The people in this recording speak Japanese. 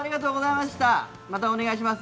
またお願いします